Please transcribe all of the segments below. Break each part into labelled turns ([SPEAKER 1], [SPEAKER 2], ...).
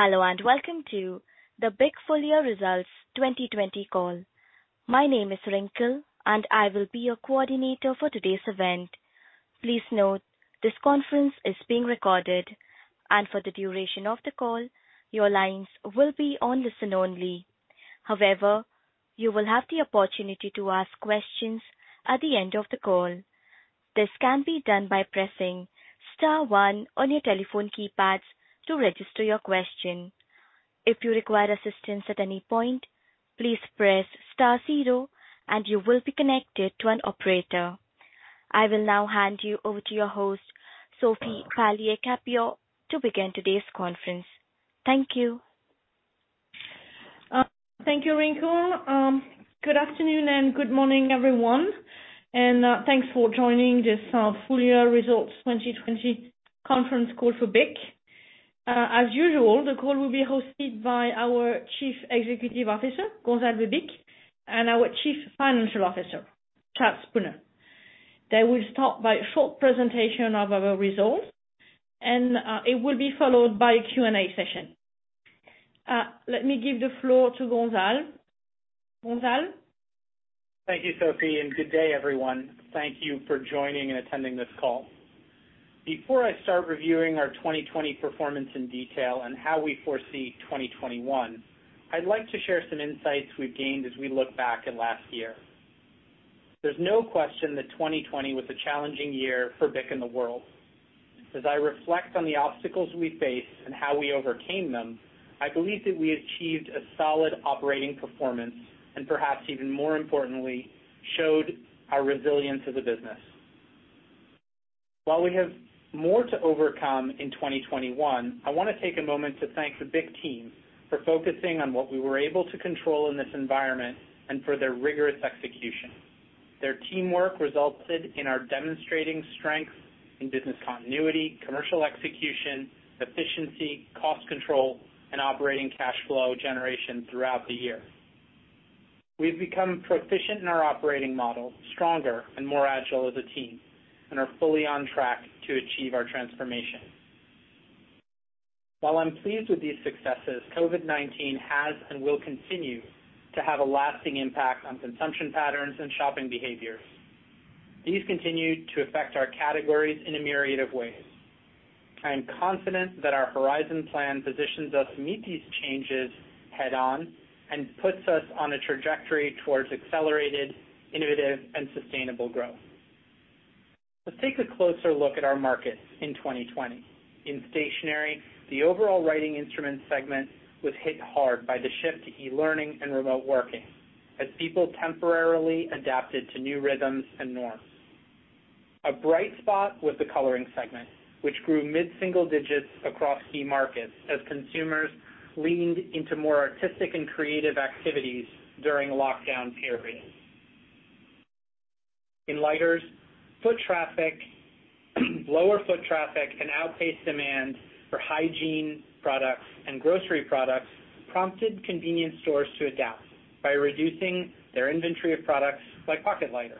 [SPEAKER 1] Hello, and welcome to the BIC Full Year Results 2020 call. My name is Rinkle, and I will be your coordinator for today's event. Please note this conference is being recorded, and for the duration of the call, your lines will be on listen only. However, you will have the opportunity to ask questions at the end of the call. This can be done by pressing star one on your telephone keypads to register your question. If you require assistance at any point, please press star zero and you will be connected to an operator. I will now hand you over to your host, Sophie Palliez-Capian, to begin today's conference. Thank you.
[SPEAKER 2] Thank you, Rinkle. Good afternoon and good morning, everyone, and thanks for joining this Full Year Results 2020 conference call for BIC. As usual, the call will be hosted by our Chief Executive Officer, Gonzalve Bich, and our Chief Financial Officer, Chad Spooner. They will start by a short presentation of our results, and it will be followed by a Q&A session. Let me give the floor to Gonzalve. Gonzalve?
[SPEAKER 3] Thank you, Sophie, and good day, everyone. Thank you for joining and attending this call. Before I start reviewing our 2020 performance in detail and how we foresee 2021, I'd like to share some insights we've gained as we look back at last year. There's no question that 2020 was a challenging year for BIC and the world. As I reflect on the obstacles we faced and how we overcame them, I believe that we achieved a solid operating performance, and perhaps even more importantly, showed our resilience as a business. While we have more to overcome in 2021, I want to take a moment to thank the BIC team for focusing on what we were able to control in this environment and for their rigorous execution. Their teamwork resulted in our demonstrating strength in business continuity, commercial execution, efficiency, cost control, and operating cash flow generation throughout the year. We've become proficient in our operating model, stronger and more agile as a team, and are fully on track to achieve our transformation. While I'm pleased with these successes, COVID-19 has and will continue to have a lasting impact on consumption patterns and shopping behaviors. These continue to affect our categories in a myriad of ways. I am confident that our Horizon plan positions us to meet these changes head on and puts us on a trajectory towards accelerated, innovative, and sustainable growth. Let's take a closer look at our markets in 2020. In stationery, the overall writing instruments segment was hit hard by the shift to e-learning and remote working as people temporarily adapted to new rhythms and norms. A bright spot was the coloring segment, which grew mid-single digits across key markets as consumers leaned into more artistic and creative activities during lockdown periods. In lighters, lower foot traffic and outpaced demand for hygiene products and grocery products prompted convenience stores to adapt by reducing their inventory of products like pocket lighters.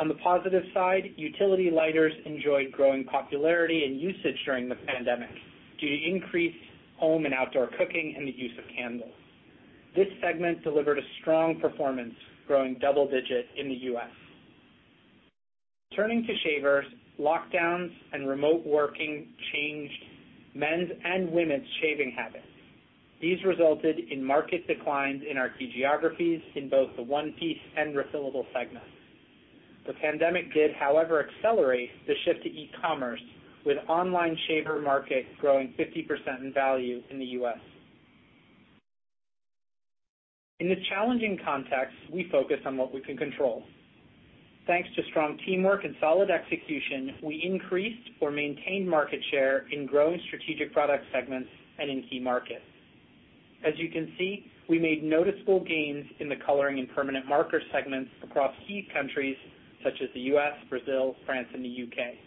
[SPEAKER 3] On the positive side, utility lighters enjoyed growing popularity and usage during the pandemic due to increased home and outdoor cooking and the use of candles. This segment delivered a strong performance, growing double-digit in the U.S. Turning to shavers, lockdowns and remote working changed men's and women's shaving habits. These resulted in market declines in our key geographies in both the one-piece and refillable segments. The pandemic did, however, accelerate the shift to e-commerce, with online shaver market growing 50% in value in the U.S. In this challenging context, we focused on what we can control. Thanks to strong teamwork and solid execution, we increased or maintained market share in growing strategic product segments and in key markets. As you can see, we made noticeable gains in the coloring and permanent marker segments across key countries such as the U.S., Brazil, France, and the U.K.,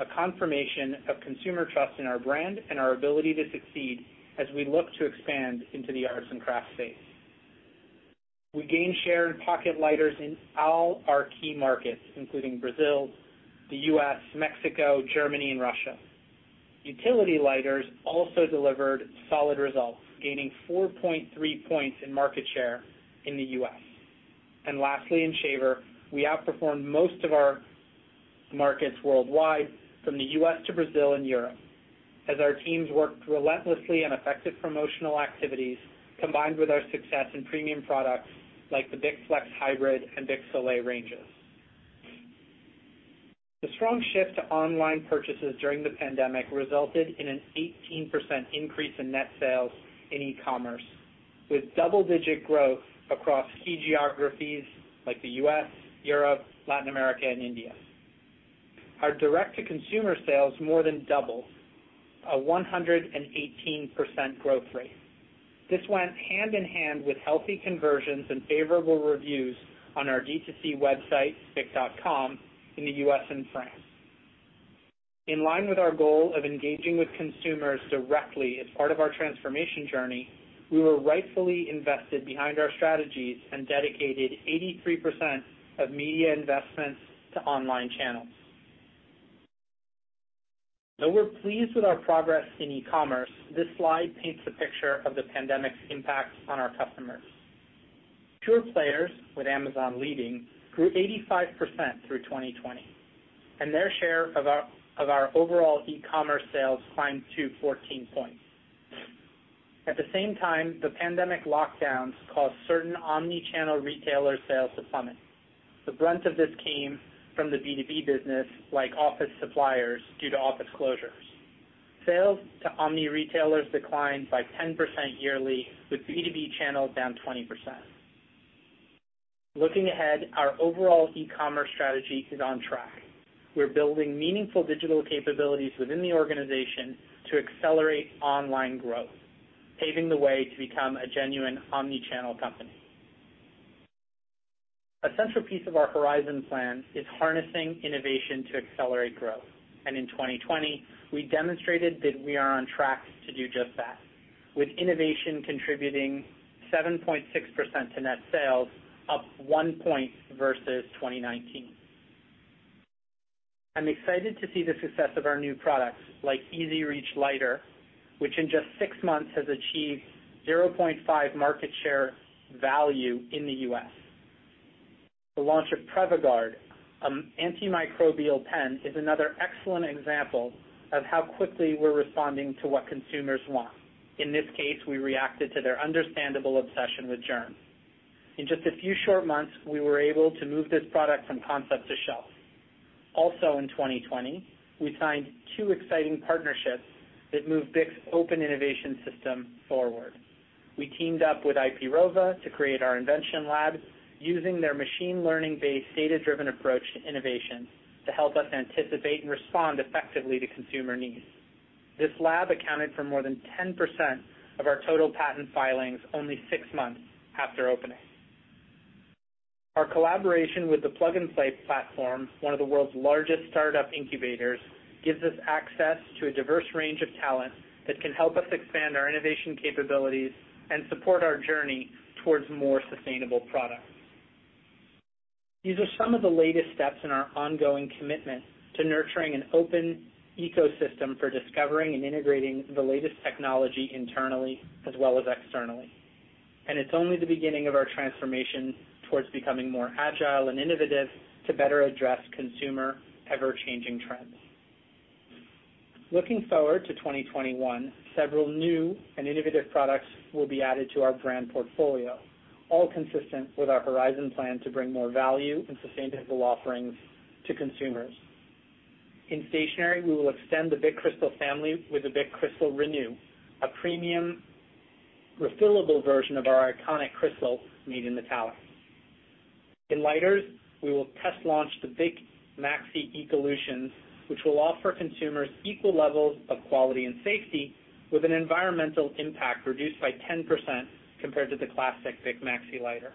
[SPEAKER 3] a confirmation of consumer trust in our brand and our ability to succeed as we look to expand into the arts and crafts space. We gained share in pocket lighters in all our key markets, including Brazil, the U.S., Mexico, Germany, and Russia. Utility lighters also delivered solid results, gaining 4.3 points in market share in the U.S. Lastly, in shaver, we outperformed most of our markets worldwide, from the U.S. to Brazil and Europe, as our teams worked relentlessly on effective promotional activities, combined with our success in premium products like the BIC Flex Hybrid and BIC Soleil ranges. The strong shift to online purchases during the pandemic resulted in an 18% increase in net sales in e-commerce, with double-digit growth across key geographies like the U.S., Europe, Latin America, and India. Our direct-to-consumer sales more than doubled, a 118% growth rate. This went hand in hand with healthy conversions and favorable reviews on our D2C website, bic.com, in the U.S. and France. In line with our goal of engaging with consumers directly as part of our transformation journey, we were rightfully invested behind our strategies and dedicated 83% of media investments to online channels. Though we're pleased with our progress in e-commerce, this slide paints a picture of the pandemic's impact on our customers. Pure players, with Amazon leading, grew 85% through 2020, and their share of our overall e-commerce sales climbed 2-14 points. At the same time, the pandemic lockdowns caused certain omni-channel retailer sales to plummet. The brunt of this came from the B2B business, like office suppliers, due to office closures. Sales to omni-retailers declined by 10% yearly, with B2B channels down 20%. Looking ahead, our overall e-commerce strategy is on track. We're building meaningful digital capabilities within the organization to accelerate online growth, paving the way to become a genuine omni-channel company. A central piece of our Horizon plan is harnessing innovation to accelerate growth, and in 2020, we demonstrated that we are on track to do just that, with innovation contributing 7.6% to net sales, up one point versus 2019. I'm excited to see the success of our new products, like EZ Reach Lighter, which in just six months has achieved 0.5 market share value in the U.S. The launch of BIC PrevaGuard, an antimicrobial pen, is another excellent example of how quickly we're responding to what consumers want. In this case, we reacted to their understandable obsession with germs. In just a few short months, we were able to move this product from concept to shelf. In 2020, we signed two exciting partnerships that moved BIC's open innovation system forward. We teamed up with Iprova to create our invention lab using their machine learning-based, data-driven approach to innovation to help us anticipate and respond effectively to consumer needs. This lab accounted for more than 10% of our total patent filings only six months after opening. Our collaboration with the Plug and Play Tech Center, one of the world's largest startup incubators, gives us access to a diverse range of talent that can help us expand our innovation capabilities and support our journey towards more sustainable products. These are some of the latest steps in our ongoing commitment to nurturing an open ecosystem for discovering and integrating the latest technology internally as well as externally. It's only the beginning of our transformation towards becoming more agile and innovative to better address consumer ever-changing trends. Looking forward to 2021, several new and innovative products will be added to our brand portfolio, all consistent with our Horizon plan to bring more value and sustainable offerings to consumers. In stationery, we will extend the BIC Cristal family with the BIC Cristal Re'New, a premium refillable version of our iconic Cristal made in metal. In lighters, we will test launch the BIC Maxi Ecolutions, which will offer consumers equal levels of quality and safety with an environmental impact reduced by 10% compared to the classic BIC Maxi lighter.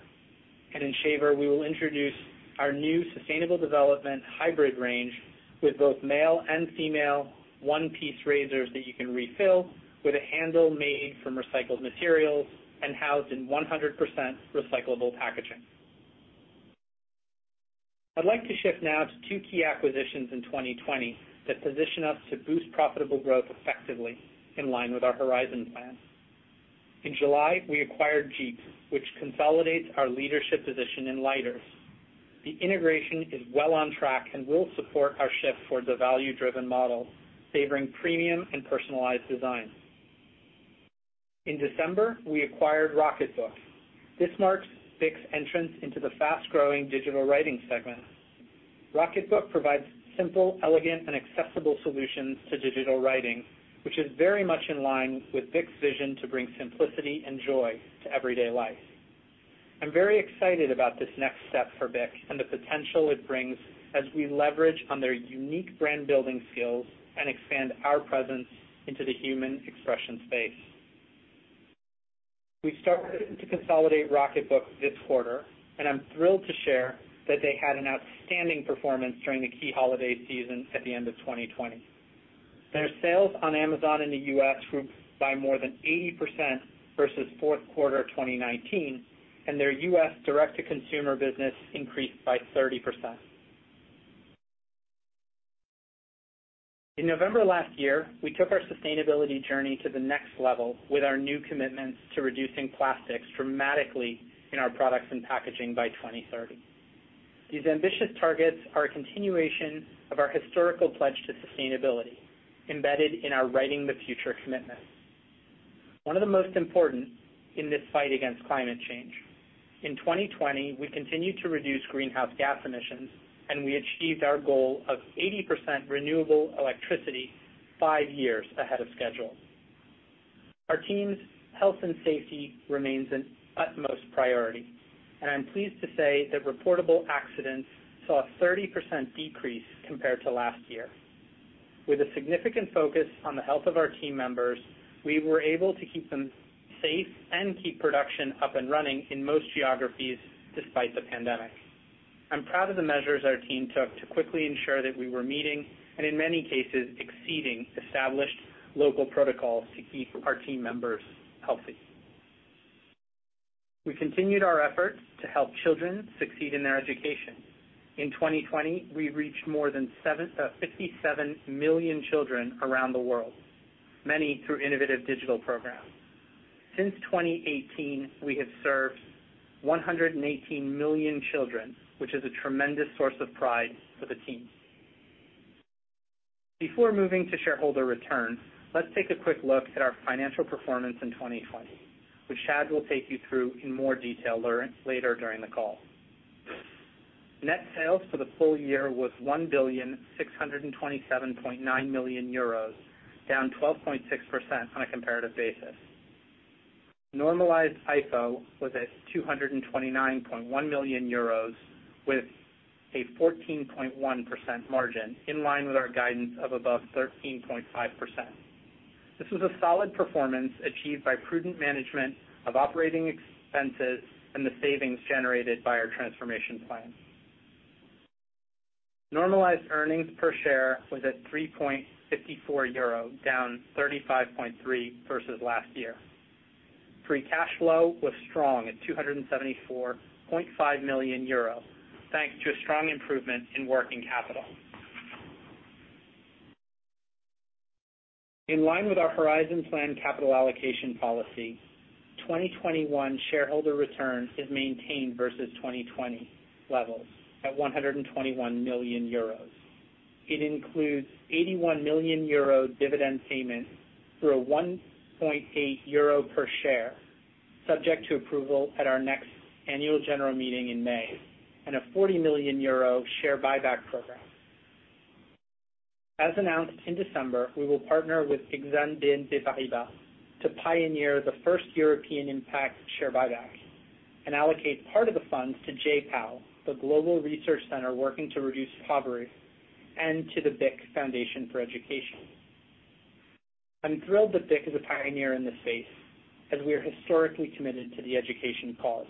[SPEAKER 3] In shaver, we will introduce our new sustainable development hybrid range with both male and female one-piece razors that you can refill with a handle made from recycled materials and housed in 100% recyclable packaging. I'd like to shift now to two key acquisitions in 2020 that position us to boost profitable growth effectively in line with our Horizon plan. In July, we acquired Djeep, which consolidates our leadership position in lighters. The integration is well on track and will support our shift towards a value-driven model, favoring premium and personalized design. In December, we acquired Rocketbook. This marks BIC's entrance into the fast-growing digital writing segment. Rocketbook provides simple, elegant, and accessible solutions to digital writing, which is very much in line with BIC's vision to bring simplicity and joy to everyday life. I'm very excited about this next step for BIC and the potential it brings as we leverage on their unique brand-building skills and expand our presence into the Human Expression space. We started to consolidate Rocketbook this quarter, and I'm thrilled to share that they had an outstanding performance during the key holiday season at the end of 2020. Their sales on Amazon in the U.S. grew by more than 80% versus fourth quarter 2019, and their U.S. direct-to-consumer business increased by 30%. In November last year, we took our sustainability journey to the next level with our new commitments to reducing plastics dramatically in our products and packaging by 2030. These ambitious targets are a continuation of our historical pledge to sustainability embedded in our Writing the Future commitment. One of the most important in this fight against climate change, in 2020, we continued to reduce greenhouse gas emissions. We achieved our goal of 80% renewable electricity five years ahead of schedule. Our team's health and safety remains an utmost priority. I'm pleased to say that reportable accidents saw a 30% decrease compared to last year. With a significant focus on the health of our team members, we were able to keep them safe and keep production up and running in most geographies despite the pandemic. I'm proud of the measures our team took to quickly ensure that we were meeting, and in many cases, exceeding established local protocols to keep our team members healthy. We continued our efforts to help children succeed in their education. In 2020, we reached more than 67 million children around the world, many through innovative digital programs. Since 2018, we have served 118 million children, which is a tremendous source of pride for the team. Before moving to shareholder returns, let's take a quick look at our financial performance in 2020, which Chad will take you through in more detail later during the call. Net sales for the full year was 1,627.9 million euros, down 12.6% on a comparative basis. Normalized IFO was at 229.1 million euros with a 14.1% margin, in line with our guidance of above 13.5%. This was a solid performance achieved by prudent management of operating expenses and the savings generated by our transformation plan. Normalized earnings per share was at 3.54 euro, down 35.3% versus last year. Free cash flow was strong at 274.5 million euro, thanks to a strong improvement in working capital. In line with our Horizon Plan capital allocation policy, 2021 shareholder return is maintained versus 2020 levels at 121 million euros. It includes 81 million euro dividend payment through a 1.8 euro per share, subject to approval at our next annual general meeting in May, and a 40 million euro share buyback program. As announced in December, we will partner with to pioneer the first European impact share buyback and allocate part of the funds to J-PAL, the global research center working to reduce poverty, and to the BIC Corporate Foundation. I'm thrilled that BIC is a pioneer in this space, as we are historically committed to the education cause,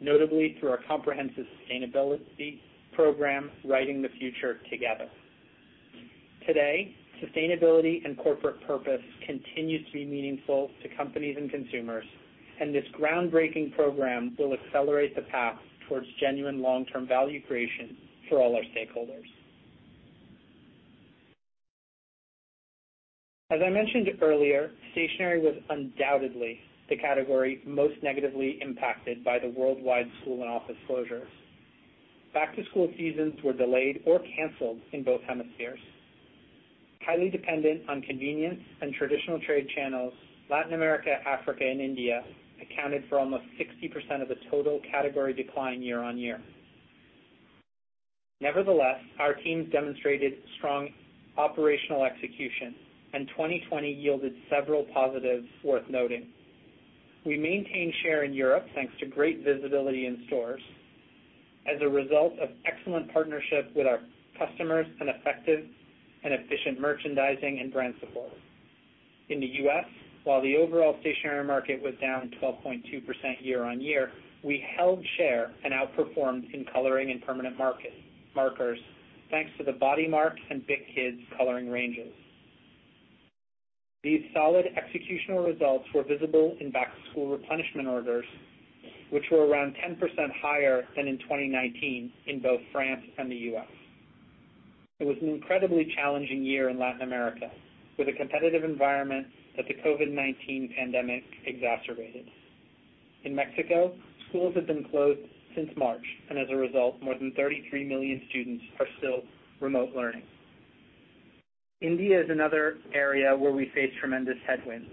[SPEAKER 3] notably through our comprehensive sustainability program, Writing the Future, Together. Today, sustainability and corporate purpose continue to be meaningful to companies and consumers, and this groundbreaking program will accelerate the path towards genuine long-term value creation for all our stakeholders. As I mentioned earlier, stationery was undoubtedly the category most negatively impacted by the worldwide school and office closures. Back-to-school seasons were delayed or canceled in both hemispheres. Highly dependent on convenience and traditional trade channels, Latin America, Africa, and India accounted for almost 60% of the total category decline year-on-year. Nevertheless, our teams demonstrated strong operational execution, and 2020 yielded several positives worth noting. We maintained share in Europe thanks to great visibility in stores as a result of excellent partnership with our customers and effective and efficient merchandising and brand support. In the U.S., while the overall stationery market was down 12.2% year-over-year, we held share and outperformed in coloring and permanent markers, thanks to the BodyMark and BIC Kids coloring ranges. These solid executional results were visible in back-to-school replenishment orders, which were around 10% higher than in 2019 in both France and the U.S. It was an incredibly challenging year in Latin America, with a competitive environment that the COVID-19 pandemic exacerbated. In Mexico, schools have been closed since March. As a result, more than 33 million students are still remote learning. India is another area where we face tremendous headwinds.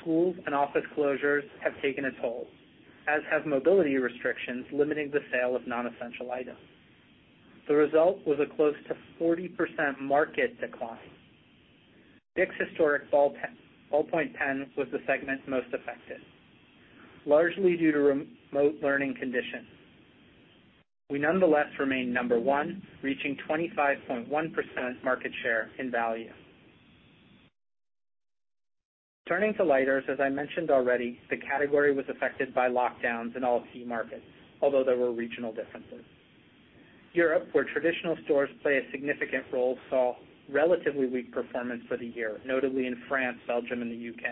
[SPEAKER 3] Schools and office closures have taken a toll, as have mobility restrictions limiting the sale of non-essential items. The result was a close to 40% market decline. BIC's historic ballpoint pen was the segment most affected, largely due to remote learning conditions. We nonetheless remain number one, reaching 25.1% market share in value. Turning to lighters, as I mentioned already, the category was affected by lockdowns in all key markets, although there were regional differences. Europe, where traditional stores play a significant role, saw relatively weak performance for the year, notably in France, Belgium, and the U.K.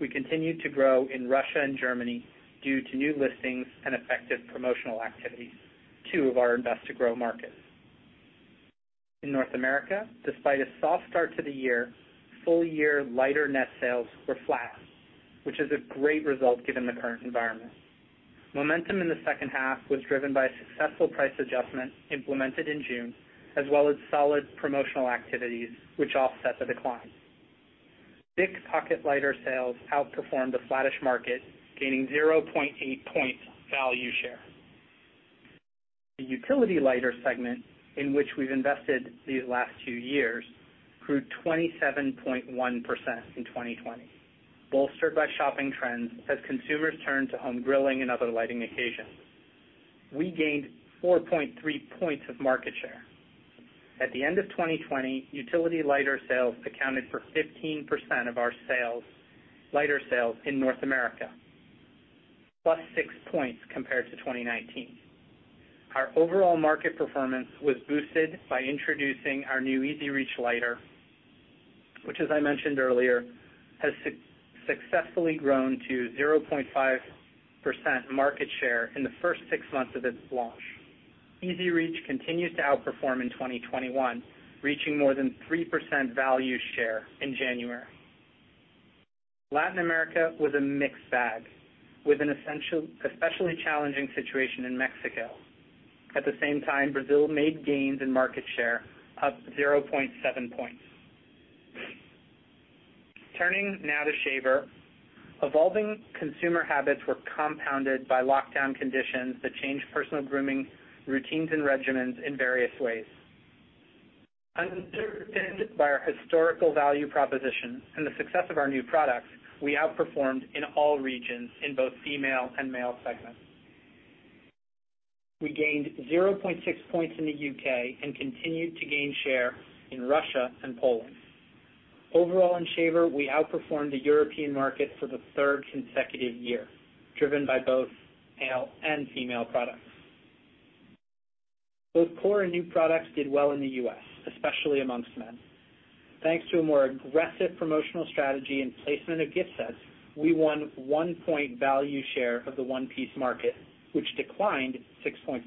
[SPEAKER 3] We continued to grow in Russia and Germany due to new listings and effective promotional activities, two of our invest to grow markets. In North America, despite a soft start to the year, full year lighter net sales were flat, which is a great result given the current environment. Momentum in the second half was driven by a successful price adjustment implemented in June, as well as solid promotional activities, which offset the decline. BIC pocket lighter sales outperformed the flattish market, gaining 0.8 points value share. The utility lighter segment, in which we've invested these last two years, grew 27.1% in 2020, bolstered by shopping trends as consumers turn to home grilling and other lighting occasions. We gained 4.3 points of market share. At the end of 2020, utility lighter sales accounted for 15% of our lighter sales in North America, plus six points compared to 2019. Our overall market performance was boosted by introducing our new EZ Reach lighter, which, as I mentioned earlier, has successfully grown to 0.5% market share in the first six months of its launch. EZ Reach continues to outperform in 2021, reaching more than 3% value share in January. Latin America was a mixed bag, with an especially challenging situation in Mexico. At the same time, Brazil made gains in market share, up 0.7 points. Turning now to Shaver. Evolving consumer habits were compounded by lockdown conditions that changed personal grooming routines and regimens in various ways. Underpinned by our historical value proposition and the success of our new products, we outperformed in all regions in both female and male segments. We gained 0.6 points in the U.K. and continued to gain share in Russia and Poland. Overall, in shaver, we outperformed the European market for the third consecutive year, driven by both male and female products. Both core and new products did well in the U.S., especially amongst men. Thanks to a more aggressive promotional strategy and placement of gift sets, we won one point value share of the one-piece market, which declined 6.4%.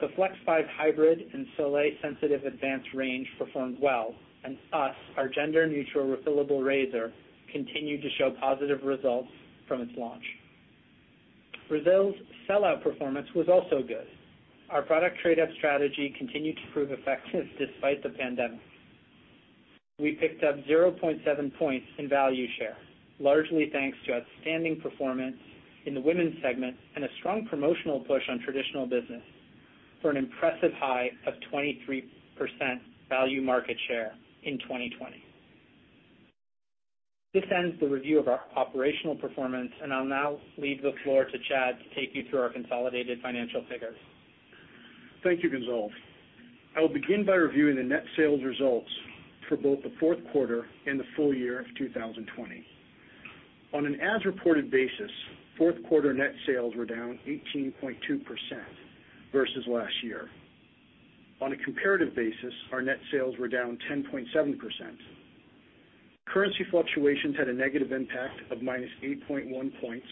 [SPEAKER 3] The BIC Flex 5 Hybrid and BIC Soleil Sensitive Advanced performed well, BIC Us, our gender-neutral refillable razor, continued to show positive results from its launch. Brazil's sellout performance was also good. Our product trade-up strategy continued to prove effective despite the pandemic. We picked up 0.7 points in value share, largely thanks to outstanding performance in the women's segment and a strong promotional push on traditional business for an impressive high of 23% value market share in 2020. This ends the review of our operational performance, I'll now leave the floor to Chad to take you through our consolidated financial figures.
[SPEAKER 4] Thank you, Gonzalve. I will begin by reviewing the net sales results for both the fourth quarter and the full year of 2020. On an as-reported basis, fourth quarter net sales were down 18.2% versus last year. On a comparative basis, our net sales were down 10.7%. Currency fluctuations had a negative impact of minus 8.1 points.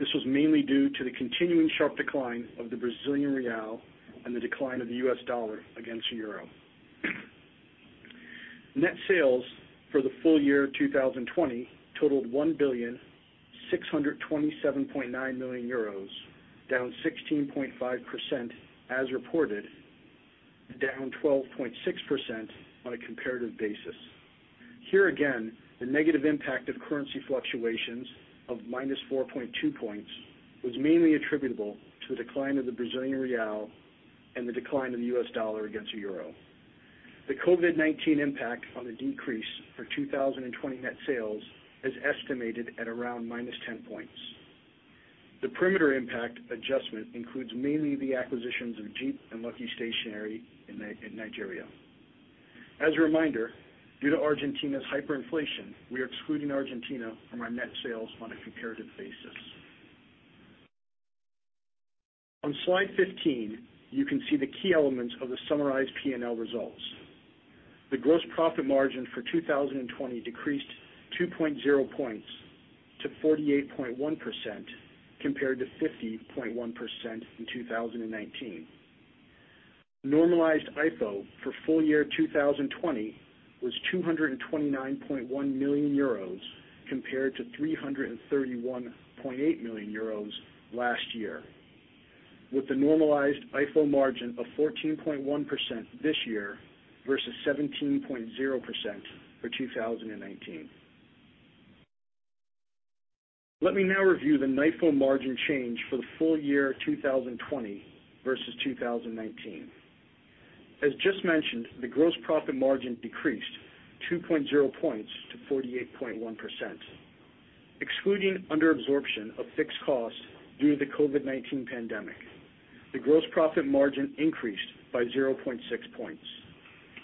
[SPEAKER 4] This was mainly due to the continuing sharp decline of the Brazilian real and the decline of the US dollar against the euro. Net sales for the full year 2020 totaled 1,627.9 million euros, down 16.5% as reported, down 12.6% on a comparative basis. Here again, the negative impact of currency fluctuations of minus 4.2 points was mainly attributable to the decline of the Brazilian real and the decline of the US dollar against the euro. The COVID-19 impact on the decrease for 2020 net sales is estimated at around -10 points. The perimeter impact adjustment includes mainly the acquisitions of Djeep and Lucky Stationery in Nigeria. As a reminder, due to Argentina's hyperinflation, we are excluding Argentina from our net sales on a comparative basis. On slide 15, you can see the key elements of the summarized P&L results. The gross profit margin for 2020 decreased 2.0 points to 48.1%, compared to 50.1% in 2019. Normalized IFO for full year 2020 was 229.1 million euros compared to 331.8 million euros last year, with the normalized IFO margin of 14.1% this year versus 17.0% for 2019. Let me now review the NIFO margin change for the full year 2020 versus 2019. As just mentioned, the gross profit margin decreased 2.0 points to 48.1%. Excluding under absorption of fixed costs due to the COVID-19 pandemic, the gross profit margin increased by 0.6 points.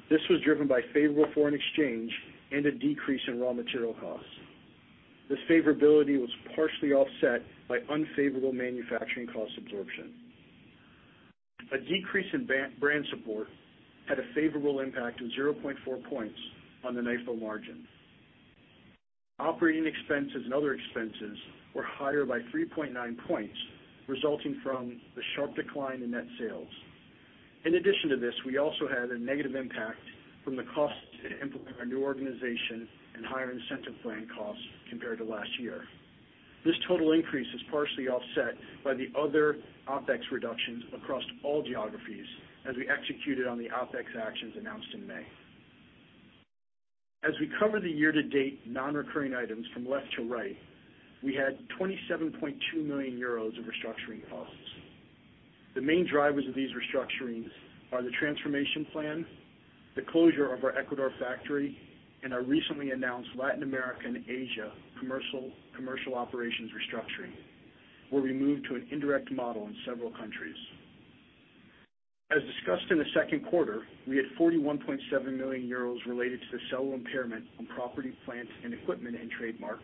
[SPEAKER 4] This was driven by favorable foreign exchange and a decrease in raw material costs. This favorability was partially offset by unfavorable manufacturing cost absorption. A decrease in brand support had a favorable impact of 0.4 points on the NIFO margin. Operating expenses and other expenses were higher by 3.9 points, resulting from the sharp decline in net sales. In addition to this, we also had a negative impact from the cost to implement our new organization and higher incentive plan costs compared to last year. This total increase is partially offset by the other OpEx reductions across all geographies as we executed on the OpEx actions announced in May. As we cover the year-to-date non-recurring items from left to right, we had 27.2 million euros of restructuring costs. The main drivers of these restructurings are the transformation plan, the closure of our Ecuador factory, and our recently announced Latin American Asia commercial operations restructuring, where we moved to an indirect model in several countries. As discussed in the second quarter, we had 41.7 million euros related to the sell impairment on property, plant and equipment and trademark.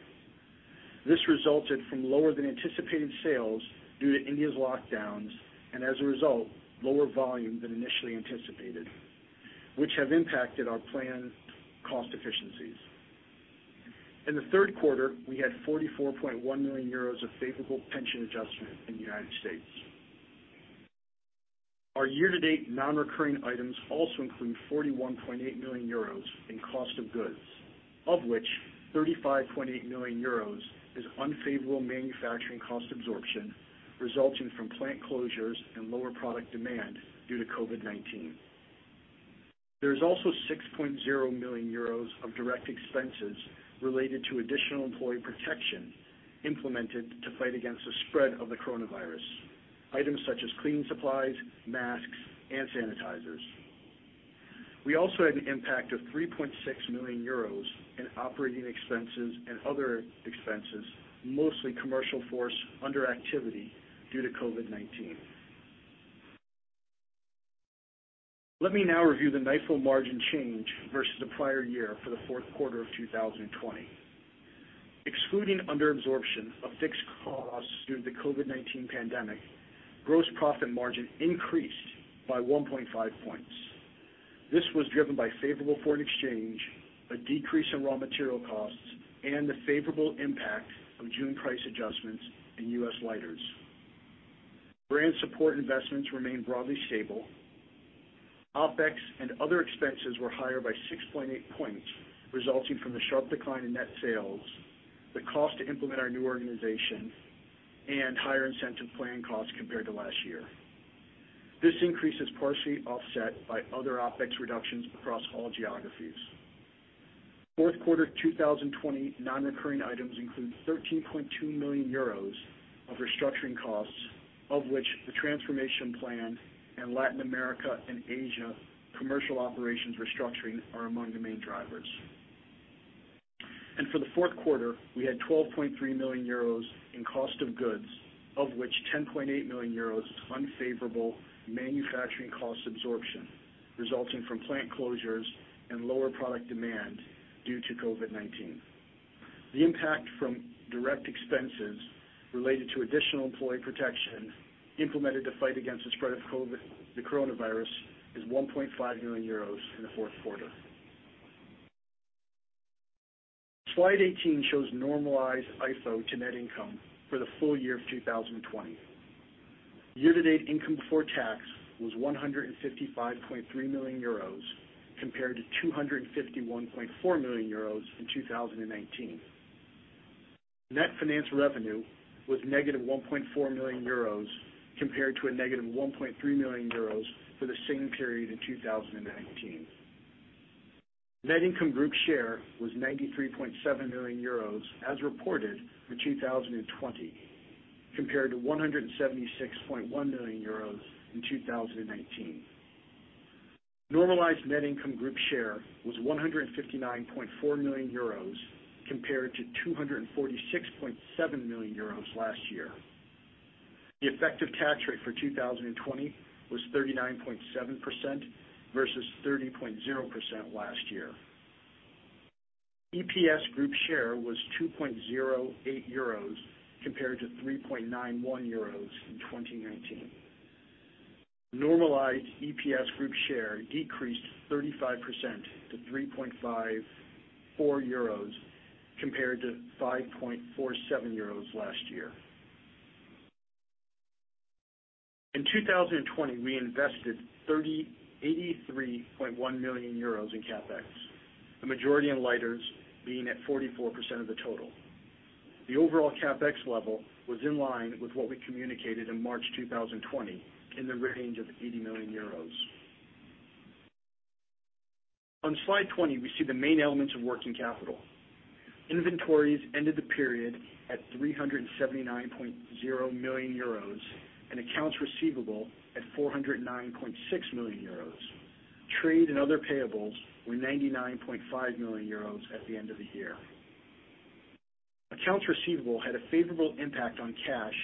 [SPEAKER 4] This resulted from lower than anticipated sales due to India's lockdowns, and as a result, lower volume than initially anticipated, which have impacted our planned cost efficiencies. In the third quarter, we had 44.1 million euros of favorable pension adjustment in the United States. Our year-to-date non-recurring items also include 41.8 million euros in cost of goods, of which 35.8 million euros is unfavorable manufacturing cost absorption resulting from plant closures and lower product demand due to COVID-19. There is also 6.0 million euros of direct expenses related to additional employee protection implemented to fight against the spread of the coronavirus. Items such as cleaning supplies, masks, and sanitizers. We also had an impact of 3.6 million euros in operating expenses and other expenses, mostly commercial force under activity due to COVID-19. Let me now review the NIFO margin change versus the prior year for the fourth quarter of 2020. Excluding under absorption of fixed costs due to the COVID-19 pandemic, gross profit margin increased by 1.5 points. This was driven by favorable foreign exchange, a decrease in raw material costs, and the favorable impact of June price adjustments in U.S. lighters. Brand support investments remained broadly stable. OPEX and other expenses were higher by 6.8 points, resulting from the sharp decline in net sales, the cost to implement our new organization, and higher incentive plan costs compared to last year. This increase is partially offset by other OPEX reductions across all geographies. Fourth quarter 2020 non-recurring items include 13.2 million euros of restructuring costs, of which the transformation plan in Latin America and Asia commercial operations restructuring are among the main drivers. For the fourth quarter, we had 12.3 million euros in cost of goods, of which 10.8 million euros is unfavorable manufacturing cost absorption, resulting from plant closures and lower product demand due to COVID-19. The impact from direct expenses related to additional employee protection implemented to fight against the spread of the coronavirus is 1.5 million euros in the fourth quarter. Slide 18 shows normalized IFO to net income for the full year of 2020. Year-to-date income before tax was 155.3 million euros compared to 251.4 million euros in 2019. Net finance revenue was negative 1.4 million euros compared to a negative 1.3 million euros for the same period in 2019. Net income group share was 93.7 million euros as reported for 2020, compared to 176.1 million euros in 2019. Normalized net income group share was 159.4 million euros compared to 246.7 million euros last year. The effective tax rate for 2020 was 39.7% versus 30.0% last year. EPS group share was 2.08 euros compared to 3.91 euros in 2019. Normalized EPS group share decreased 35% to 3.54 euros compared to 5.47 euros last year. In 2020, we invested 83.1 million euros in CapEx, the majority in lighters being at 44% of the total. The overall CapEx level was in line with what we communicated in March 2020, in the range of 80 million euros. On slide 20, we see the main elements of working capital. Inventories ended the period at 379.0 million euros, and accounts receivable at 409.6 million euros. Trade and other payables were 99.5 million euros at the end of the year. Accounts receivable had a favorable impact on cash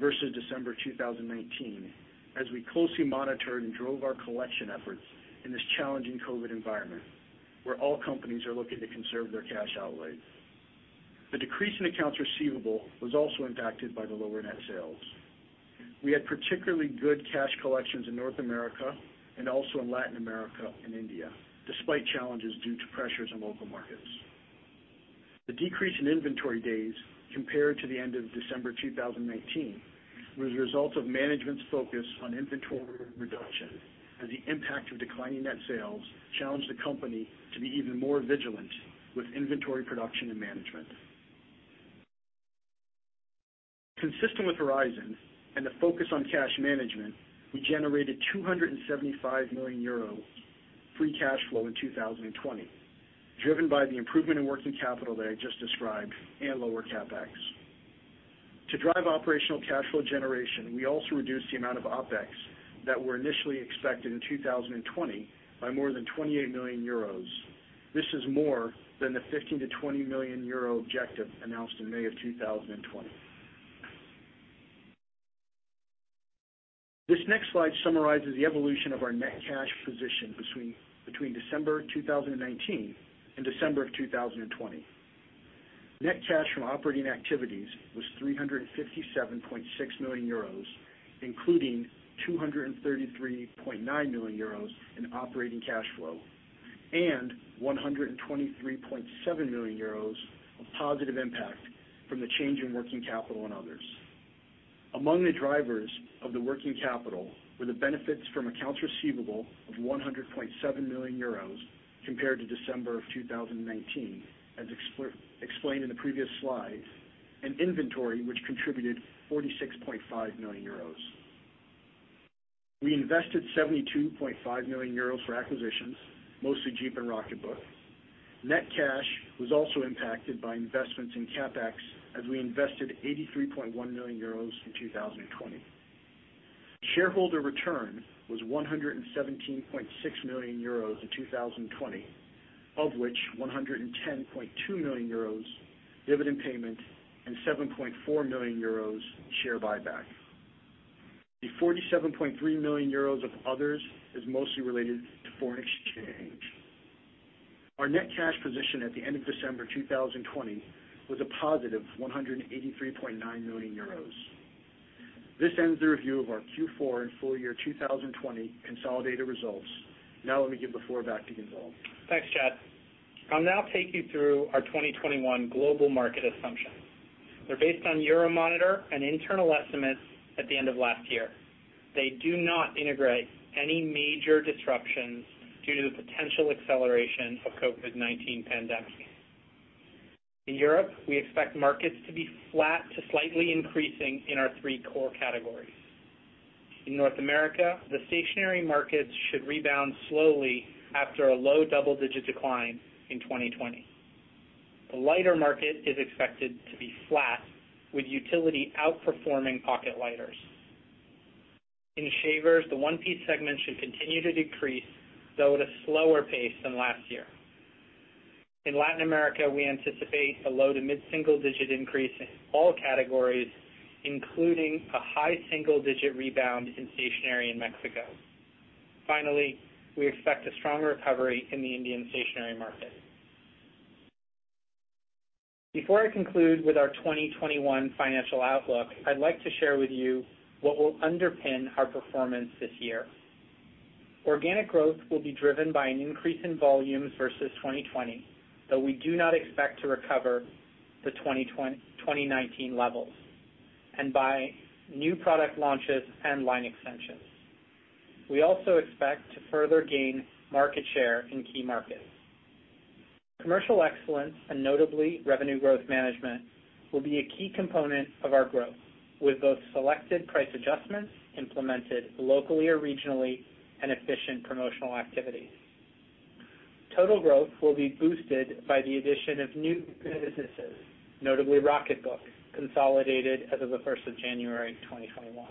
[SPEAKER 4] versus December 2019, as we closely monitored and drove our collection efforts in this challenging COVID environment, where all companies are looking to conserve their cash outlay. The decrease in accounts receivable was also impacted by the lower net sales. We had particularly good cash collections in North America and also in Latin America and India, despite challenges due to pressures on local markets. The decrease in inventory days compared to the end of December 2019 was a result of management's focus on inventory reduction as the impact of declining net sales challenged the company to be even more vigilant with inventory production and management. Consistent with Horizon and the focus on cash management, we generated 275 million euro free cash flow in 2020, driven by the improvement in working capital that I just described and lower CapEx. To drive operational cash flow generation, we also reduced the amount of OpEx that were initially expected in 2020 by more than 28 million euros. This is more than the 15 million to 20 million euro objective announced in May of 2020. This next slide summarizes the evolution of our net cash position between December 2019 and December of 2020. Net cash from operating activities was 357.6 million euros, including 233.9 million euros in operating cash flow and 123.7 million euros of positive impact from the change in working capital and others. Among the drivers of the working capital were the benefits from accounts receivable of 100.7 million euros compared to December of 2019, as explained in the previous slide, and inventory, which contributed 46.5 million euros. We invested 72.5 million euros for acquisitions, mostly Djeep and Rocketbook. Net cash was also impacted by investments in CapEx, as we invested 83.1 million euros in 2020. Shareholder return was 117.6 million euros in 2020, of which 110.2 million euros dividend payment and 7.4 million euros share buyback. The 47.3 million euros of others is mostly related to foreign exchange. Our net cash position at the end of December 2020 was a +183.9 million euros. This ends the review of our Q4 and full year 2020 consolidated results. Now let me give the floor back to Gonzalve.
[SPEAKER 3] Thanks, Chad. I'll now take you through our 2021 global market assumptions. They're based on Euromonitor and internal estimates at the end of last year. They do not integrate any major disruptions due to the potential acceleration of COVID-19 pandemic. In Europe, we expect markets to be flat to slightly increasing in our three core categories. In North America, the stationery markets should rebound slowly after a low double-digit decline in 2020. The lighter market is expected to be flat, with utility outperforming pocket lighters. In shavers, the one-piece segment should continue to decrease, though at a slower pace than last year. In Latin America, we anticipate a low to mid-single-digit increase in all categories, including a high single-digit rebound in stationery in Mexico. Finally, we expect a strong recovery in the Indian stationery market. Before I conclude with our 2021 financial outlook, I'd like to share with you what will underpin our performance this year. Organic growth will be driven by an increase in volumes versus 2020, though we do not expect to recover the 2019 levels, and by new product launches and line extensions. We also expect to further gain market share in key markets. Commercial excellence, and notably revenue growth management, will be a key component of our growth, with both selected price adjustments implemented locally or regionally and efficient promotional activities. Total growth will be boosted by the addition of new businesses, notably Rocketbook, consolidated as of the 1st of January 2021.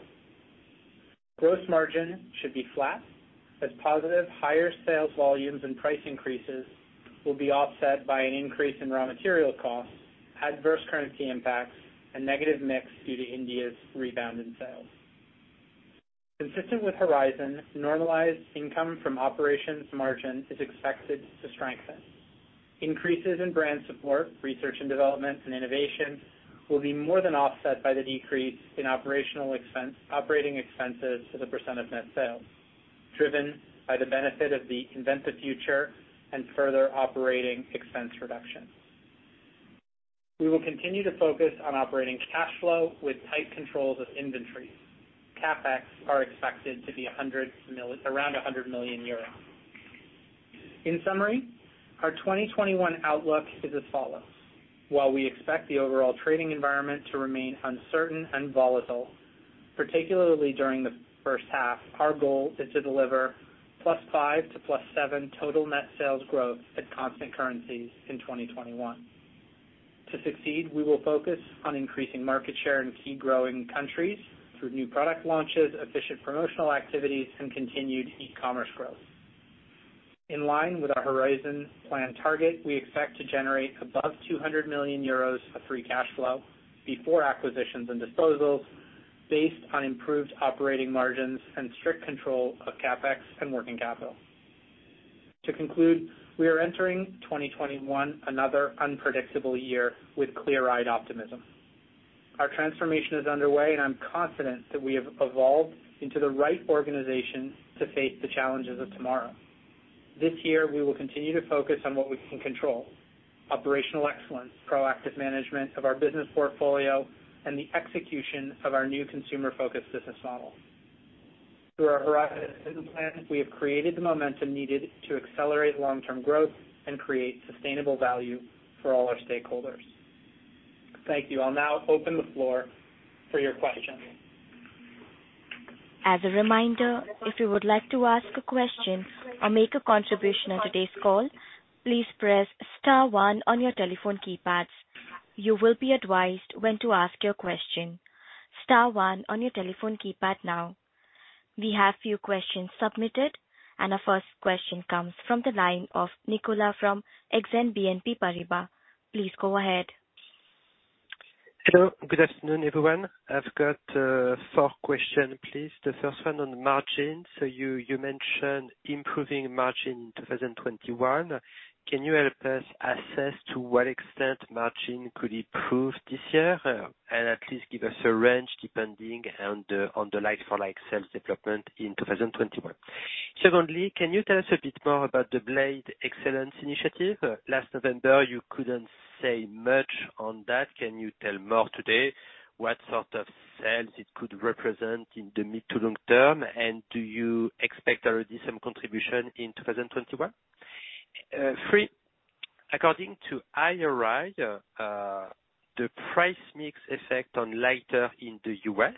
[SPEAKER 3] Gross margin should be flat as positive higher sales volumes and price increases will be offset by an increase in raw material costs, adverse currency impacts, and negative mix due to India's rebound in sales. Consistent with Horizon, normalized income from operations margin is expected to strengthen. Increases in brand support, research and development, and innovation will be more than offset by the decrease in operating expenses as a % of net sales, driven by the benefit of the Invent the Future and further operating expense reduction. We will continue to focus on operating cash flow with tight controls of inventories. CapEx are expected to be around 100 million euros. In summary, our 2021 outlook is as follows. While we expect the overall trading environment to remain uncertain and volatile, particularly during the first half, our goal is to deliver +5% to +7% total net sales growth at constant currencies in 2021. To succeed, we will focus on increasing market share in key growing countries through new product launches, efficient promotional activities, and continued e-commerce growth. In line with our Horizon plan target, we expect to generate above 200 million euros of free cash flow before acquisitions and disposals, based on improved operating margins and strict control of CapEx and working capital. To conclude, we are entering 2021, another unpredictable year, with clear-eyed optimism. Our transformation is underway, and I'm confident that we have evolved into the right organization to face the challenges of tomorrow. This year, we will continue to focus on what we can control: operational excellence, proactive management of our business portfolio, and the execution of our new consumer-focused business model. Through our Horizon business plan, we have created the momentum needed to accelerate long-term growth and create sustainable value for all our stakeholders. Thank you. I'll now open the floor for your questions.
[SPEAKER 1] As a reminder, if you would like to ask a question or make a contribution at today's call, please press star one on your telephone keypad. You will be advised when to ask your question. Star one on your telephone keypad now. We have a few questions submitted. Our first question comes from the line of Nicolas from Exane BNP Paribas. Please go ahead.
[SPEAKER 5] Hello. Good afternoon, everyone. I've got four questions, please. The first one on margin. You mentioned improving margin in 2021. Can you help us assess to what extent margin could improve this year? At least give us a range depending on the like-for-like sales development in 2021. Secondly, can you tell us a bit more about the Blade Excellence initiative? Last November, you couldn't say much on that. Can you tell more today what sort of sales it could represent in the mid to long term, and do you expect already some contribution in 2021? Third, according to IRI, the price mix effect on lighter in the U.S.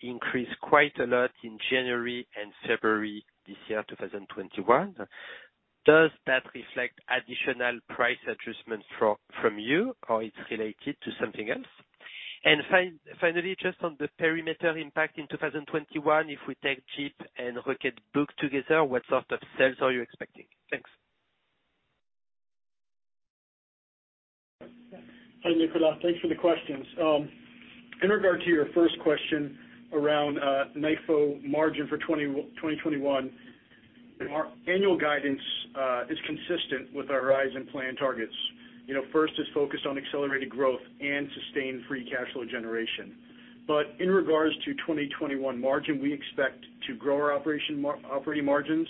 [SPEAKER 5] increased quite a lot in January and February this year, 2021. Does that reflect additional price adjustments from you, or it's related to something else? Finally, just on the perimeter impact in 2021, if we take Djeep and Rocketbook together, what sort of sales are you expecting? Thanks.
[SPEAKER 4] Hi, Nicolas. Thanks for the questions. In regard to your first question around NIFO margin for 2021, our annual guidance is consistent with our rise in plan targets. It's focused on accelerated growth and sustained free cash flow generation. In regards to 2021 margin, we expect to grow our operating margins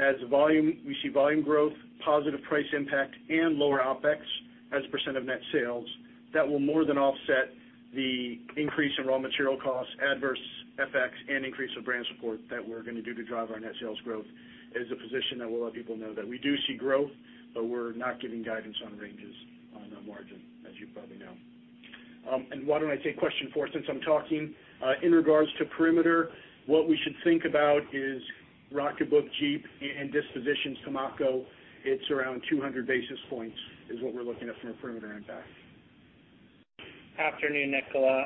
[SPEAKER 4] as we see volume growth, positive price impact, and lower OpEx as a % of net sales. That will more than offset the increase in raw material costs, adverse FX, and increase of brand support that we're going to do to drive our net sales growth is a position that we'll let people know that we do see growth, but we're not giving guidance on ranges on the margin, as you probably know. Why don't I take question four since I'm talking. In regards to perimeter, what we should think about is Rocketbook Djeep and dispositions Pimaco, it's around 200 basis points is what we're looking at from a perimeter impact.
[SPEAKER 3] Afternoon, Nicolas.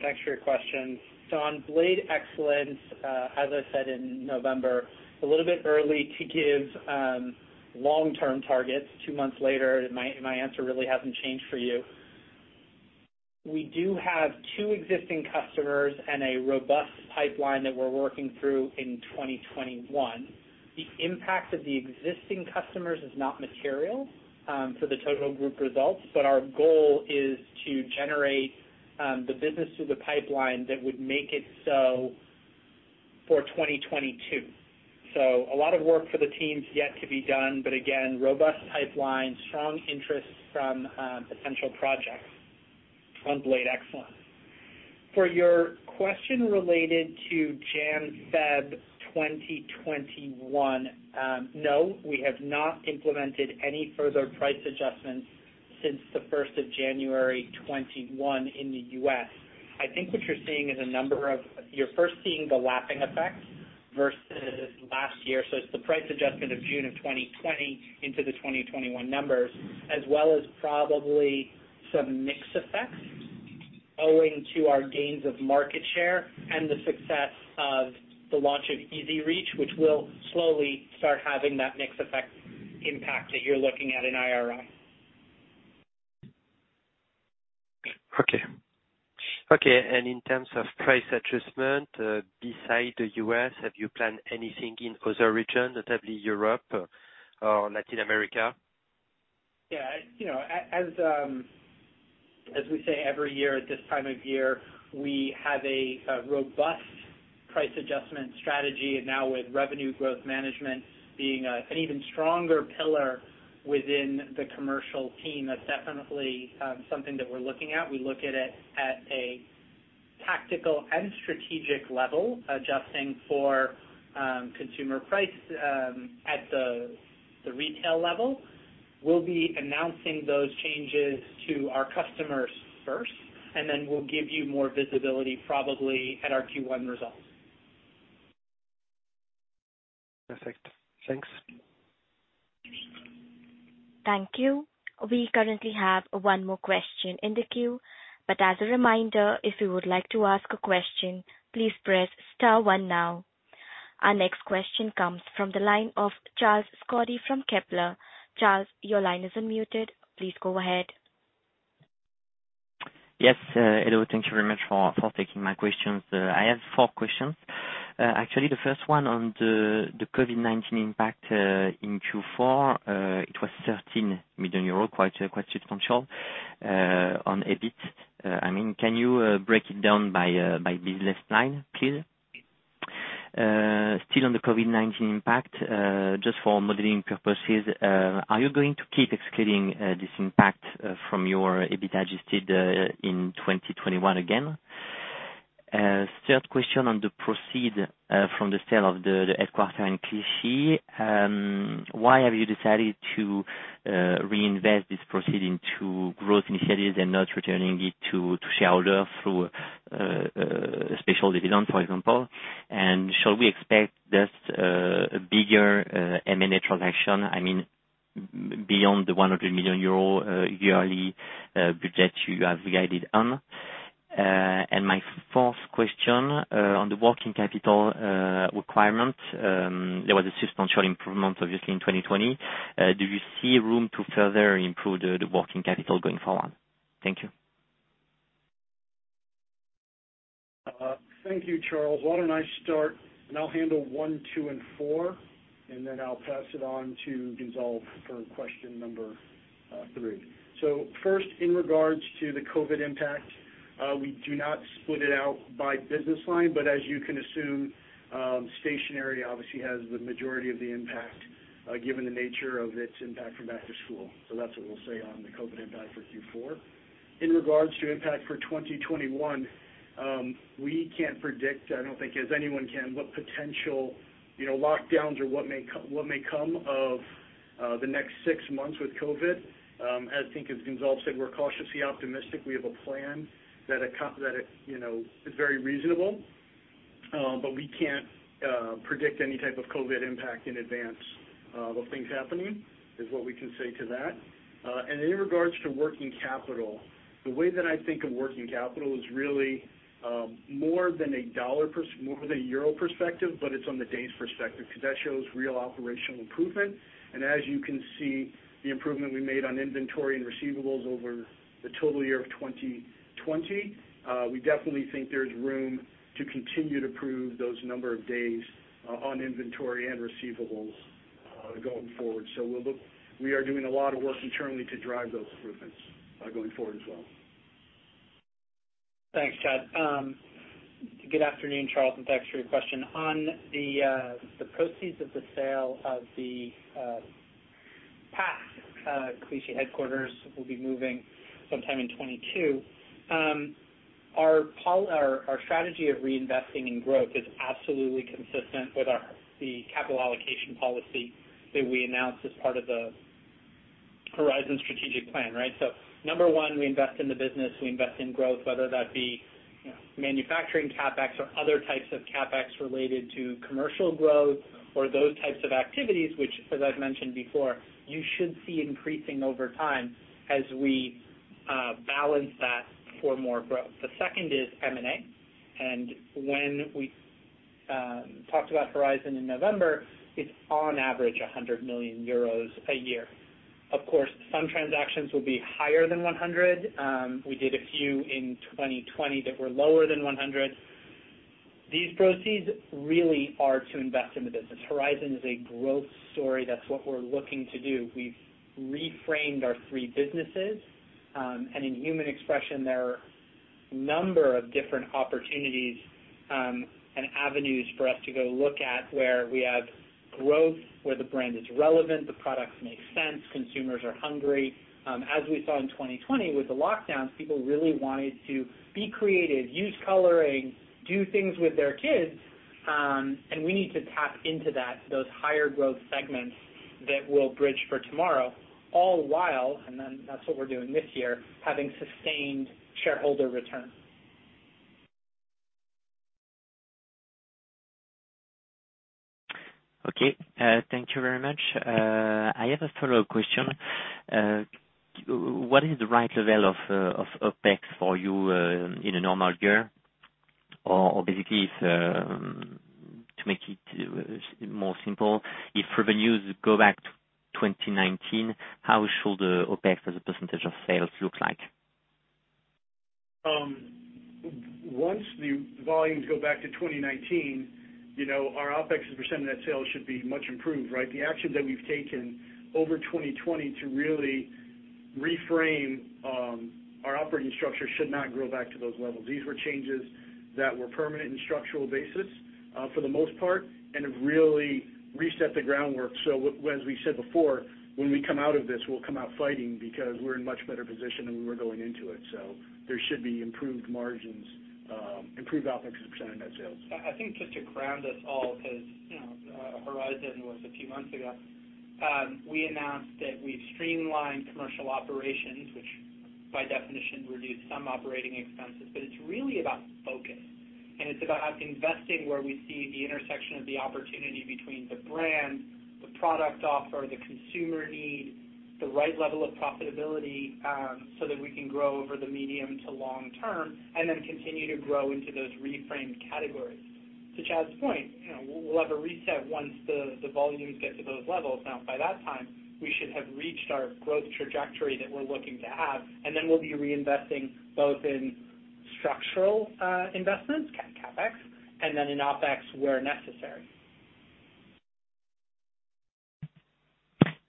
[SPEAKER 3] Thanks for your question. On Blade Excellence, as I said in November, a little bit early to give long-term targets two months later, my answer really hasn't changed for you. We do have two existing customers and a robust pipeline that we're working through in 2021. The impact of the existing customers is not material, for the total group results, but our goal is to generate the business through the pipeline that would make it so for 2022. A lot of work for the teams yet to be done, but again, robust pipeline, strong interest from potential projects on Blade Excellence. For your question related to January, February 2021, no, we have not implemented any further price adjustments since the 1st of January 2021 in the U.S. I think what you're first seeing the lapping effect versus last year. It's the price adjustment of June of 2020 into the 2021 numbers, as well as probably some mix effects owing to our gains of market share and the success of the launch of EZ Reach, which will slowly start having that mix effect impact that you're looking at in IRI.
[SPEAKER 5] Okay. In terms of price adjustment, beside the U.S., have you planned anything in other region, notably Europe or Latin America?
[SPEAKER 3] Yeah. As we say every year at this time of year, we have a robust price adjustment strategy, and now with revenue growth management being an even stronger pillar within the commercial team, that's definitely something that we're looking at. We look at it at a tactical and strategic level, adjusting for consumer price at the retail level. We'll be announcing those changes to our customers first, and then we'll give you more visibility probably at our Q1 results.
[SPEAKER 5] Perfect. Thanks.
[SPEAKER 1] Thank you. We currently have one more question in the queue. As a reminder, if you would like to ask a question, please press star one now. Our next question comes from the line of Charles Scotti from Kepler. Charles, your line is unmuted. Please go ahead.
[SPEAKER 6] Yes. Hello. Thank you very much for taking my questions. I have four questions. Actually, the first one on the COVID-19 impact, in Q4, it was 13 million euro, quite substantial, on EBIT. Can you break it down by business line, please? Still on the COVID-19 impact, just for modeling purposes, are you going to keep excluding this impact from your EBITDA adjusted, in 2021 again? Third question on the proceeds, from the sale of the headquarters in Clichy. Why have you decided to reinvest these proceeds into growth initiatives and not returning it to shareholders through a special dividend, for example? Shall we expect this a bigger M&A transaction? I mean, beyond the 100 million euro yearly budget you have guided on. My fourth question, on the working capital requirement. There was a substantial improvement, obviously, in 2020. Do you see room to further improve the working capital going forward? Thank you.
[SPEAKER 4] Thank you, Charles. Why don't I start, I'll handle one, two, and four, then I'll pass it on to Gonzalve for question number three. First, in regards to the COVID impact, we do not split it out by business line. As you can assume, stationery obviously has the majority of the impact, given the nature of its impact from back to school. That's what we'll say on the COVID impact for Q4. In regards to impact for 2021, we can't predict, I don't think as anyone can, what potential lockdowns or what may come of the next six months with COVID. I think as Gonzalve said, we're cautiously optimistic. We have a plan that is very reasonable. We can't predict any type of COVID impact in advance of things happening, is what we can say to that. In regards to working capital, the way that I think of working capital is really more than a euro perspective, but it's on the days perspective, because that shows real operational improvement. As you can see, the improvement we made on inventory and receivables over the total year of 2020. We definitely think there's room to continue to prove those number of days on inventory and receivables going forward. We are doing a lot of work internally to drive those improvements going forward as well.
[SPEAKER 3] Thanks, Chad. Good afternoon, Charles, thanks for your question. On the proceeds of the sale of the past Clichy headquarters, we will be moving sometime in 2022. Our strategy of reinvesting in growth is absolutely consistent with the capital allocation policy that we announced as part of the Horizon strategic plan. Number one, we invest in the business. We invest in growth, whether that be manufacturing CapEx or other types of CapEx related to commercial growth or those types of activities, which, as I have mentioned before, you should see increasing over time as we balance that for more growth. The second is M&A. When we talked about Horizon in November, it is on average 100 million euros a year. Of course, some transactions will be higher than 100. We did a few in 2020 that were lower than 100. These proceeds really are to invest in the business. Horizon is a growth story. That's what we're looking to do. We've reframed our three businesses. In Human Expression, there are a number of different opportunities and avenues for us to go look at where we have growth, where the brand is relevant, the products make sense, consumers are hungry. As we saw in 2020 with the lockdowns, people really wanted to be creative, use coloring, do things with their kids. We need to tap into that, those higher growth segments that will bridge for tomorrow, all while that's what we're doing this year, having sustained shareholder return.
[SPEAKER 6] Okay. Thank you very much. I have a follow-up question. What is the right level of OpEx for you in a normal year? Basically, to make it more simple, if revenues go back to 2019, how should the OpEx as a percentage of sales look like?
[SPEAKER 4] Once the volumes go back to 2019, our OpEx as a % of net sales should be much improved, right? The actions that we've taken over 2020 to really reframe our operating structure should not grow back to those levels. These were changes that were permanent in structural basis for the most part and have really reset the groundwork. As we said before, when we come out of this, we'll come out fighting because we're in a much better position than we were going into it. There should be improved margins, improved OpEx as a % of net sales.
[SPEAKER 3] I think just to ground us all because Horizon was a few months ago. We announced that we've streamlined commercial operations, which by definition reduced some operating expenses. It's really about focus, and it's about investing where we see the intersection of the opportunity between the brand, the product offer, the consumer need, the right level of profitability, so that we can grow over the medium to long term and then continue to grow into those reframed categories. To Chad's point, we'll have a reset once the volumes get to those levels. By that time, we should have reached our growth trajectory that we're looking to have, and then we'll be reinvesting both in structural investments, CapEx, and then in OpEx where necessary.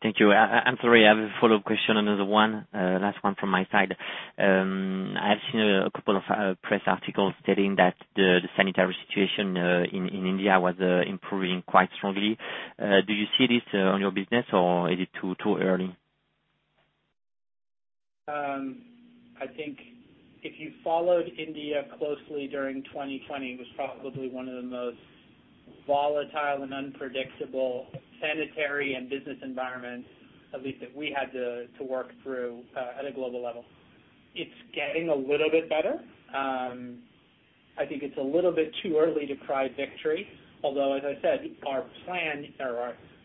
[SPEAKER 6] Thank you. I'm sorry, I have a follow-up question, another one. Last one from my side. I've seen a couple of press articles stating that the sanitary situation in India was improving quite strongly. Do you see this on your business, or is it too early?
[SPEAKER 3] I think if you followed India closely during 2020, it was probably one of the most volatile and unpredictable sanitary and business environments, at least that we had to work through at a global level. It is getting a little bit better. I think it is a little bit too early to cry victory, although, as I said,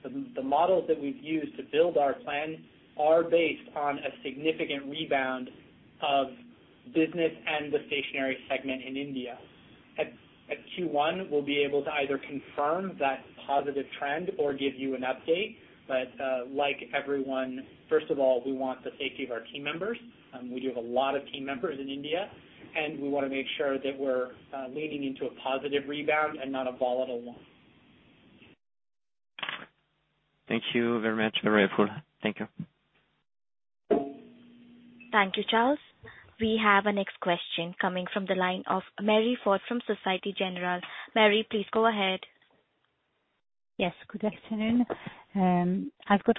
[SPEAKER 3] the models that we have used to build our plan are based on a significant rebound of business and the stationery segment in India. At Q1, we will be able to either confirm that positive trend or give you an update. Like everyone, first of all, we want the safety of our team members. We do have a lot of team members in India, and we want to make sure that we are leaning into a positive rebound and not a volatile one.
[SPEAKER 6] Thank you very much for your input. Thank you.
[SPEAKER 1] Thank you, Charles. We have our next question coming from the line of Marie-Line Fort from Société Générale. Marie, please go ahead.
[SPEAKER 7] Yes, good afternoon. I've got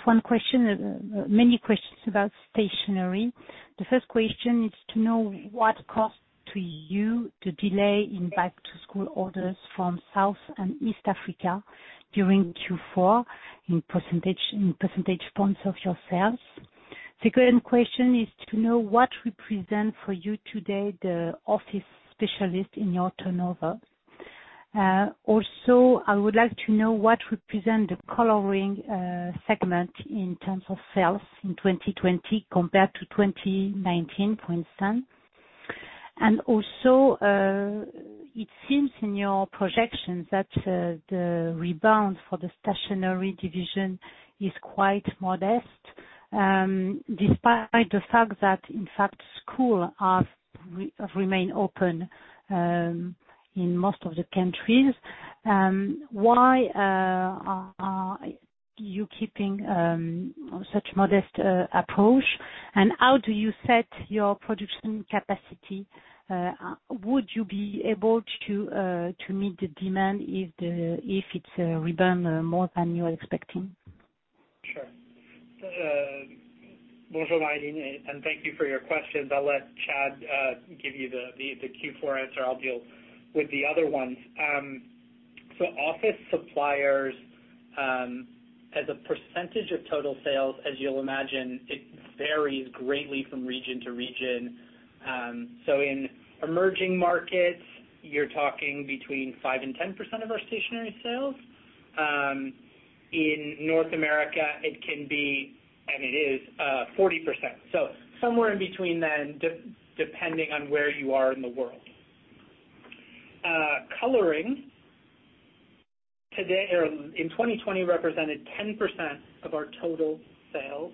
[SPEAKER 7] many questions about stationery. The first question is to know what cost to you the delay in back-to-school orders from South and East Africa during Q4 in percentage points of your sales. The current question is to know what represent for you today the office specialist in your turnover. I would like to know what represent the coloring segment in terms of sales in 2020 compared to 2019, for instance. It seems in your projections that the rebound for the stationery division is quite modest, despite the fact that in fact, schools have remained open in most of the countries. Why are you keeping such modest approach, and how do you set your production capacity? Would you be able to meet the demand if it's a rebound more than you're expecting?
[SPEAKER 3] Sure. Bonjour, Marie, and thank you for your questions. I'll let Chad give you the Q4 answer. I'll deal with the other ones. Office suppliers, as a % of total sales, as you'll imagine, it varies greatly from region to region. In emerging markets, you're talking between 5% and 10% of our stationery sales. In North America, it can be, and it is 40%. Somewhere in between then, depending on where you are in the world. Coloring, in 2020 represented 10% of our total sales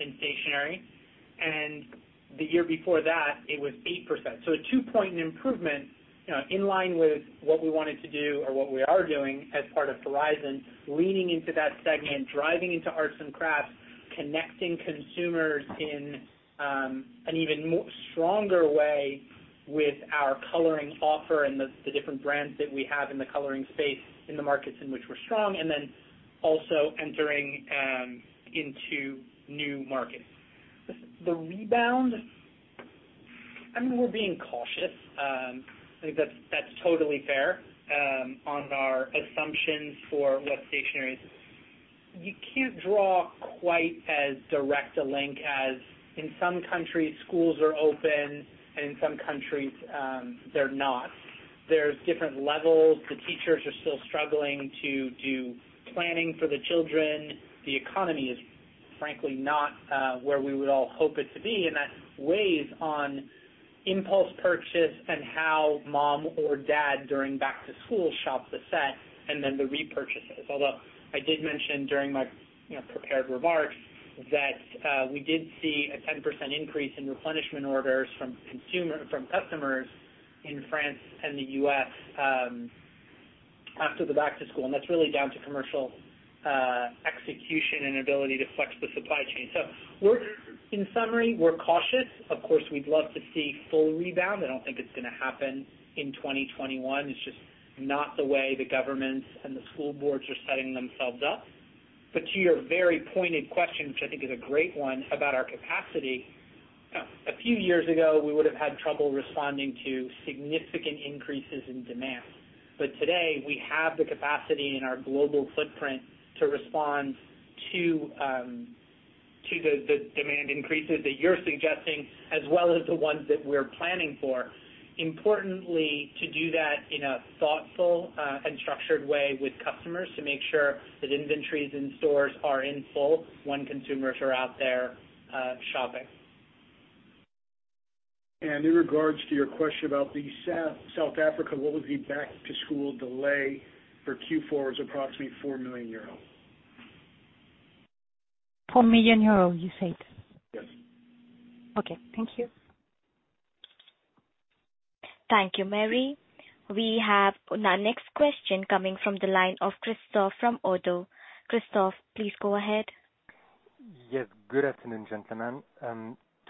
[SPEAKER 3] in stationery, and the year before that, it was 8%. A two-point improvement, in line with what we wanted to do or what we are doing as part of Horizon, leaning into that segment, driving into arts and crafts, connecting consumers in an even stronger way with our coloring offer and the different brands that we have in the coloring space in the markets in which we're strong, and then also entering into new markets. The rebound, I mean, we're being cautious. I think that's totally fair. On our assumptions for what stationery. You can't draw quite as direct a link as in some countries, schools are open, and in some countries, they're not. There's different levels. The teachers are still struggling to do planning for the children. The economy is frankly not where we would all hope it to be, that weighs on impulse purchase and how mom or dad, during back-to-school, shops a set, then the repurchases. I did mention during my prepared remarks that we did see a 10% increase in replenishment orders from customers in France and the U.S. after the back-to-school, that's really down to commercial execution and ability to flex the supply chain. In summary, we're cautious. Of course, we'd love to see full rebound. I don't think it's going to happen in 2021. It's just not the way the governments and the school boards are setting themselves up. To your very pointed question, which I think is a great one about our capacity, a few years ago, we would have had trouble responding to significant increases in demand. Today, we have the capacity in our global footprint to respond to the demand increases that you're suggesting, as well as the ones that we're planning for. Importantly, to do that in a thoughtful, and structured way with customers to make sure that inventories in stores are in full when consumers are out there shopping.
[SPEAKER 4] In regards to your question about the South Africa, what was the back-to-school delay for Q4 is approximately 4 million
[SPEAKER 7] euros. 4 million euros you said?
[SPEAKER 4] Yes.
[SPEAKER 7] Okay. Thank you.
[SPEAKER 1] Thank you, Marie. We have our next question coming from the line of Christophe from ODDO. Christophe, please go ahead.
[SPEAKER 8] Yes. Good afternoon, gentlemen.